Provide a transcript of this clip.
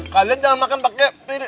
kalian jangan makan pakai